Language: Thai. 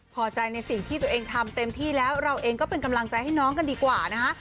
พอใจในสิ่งที่ตัวเองทำเต็มที่แล้วเราเองก็เป็นกำลังใจให้น้องกันดีกว่านะคะ